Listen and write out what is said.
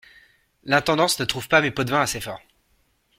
L'intendance ne trouve pas mes pots-de-vin assez forts.